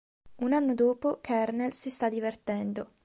Un anno dopo, Kernel si sta divertendo.